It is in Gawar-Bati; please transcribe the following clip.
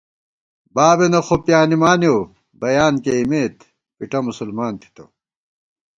بابېنہ خوپیانِمانېؤ بیان کېئیمېت پِٹہ مسلمان تھتہ